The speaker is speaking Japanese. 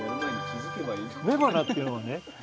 雌花っていうのはね